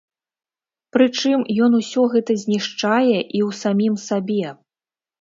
Прычым ён усё гэта знішчае і ў самім сабе.